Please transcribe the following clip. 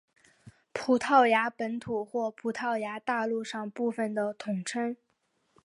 葡萄牙本土或葡萄牙大陆上部分的通称。